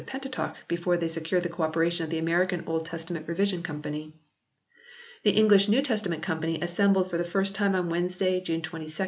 Pentateuch before they secured the co operation of the American Old Testament Revision Company. The English New Testament Company assembled for the first time on Wednesday, June 22, 1870.